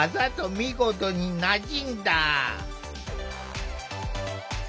見事になじんだ。